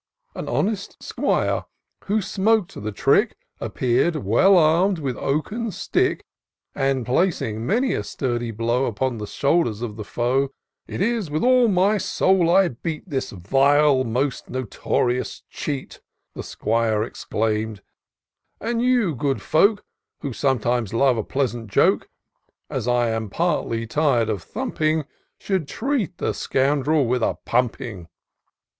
An honest 'Squire, who smok'd the trick, Appeared well arm'd with oaken stick. And placing many a sturdy blow Upon the shoulders of the foe, " It is with all my soul I beat This vile, this most notorious cheat," The 'Squire exclaim'd ;" and you, good folk, Who sometimes love a pleasant joke. As I am partly tired of thumping, Should treat the scoundrel with a pumping."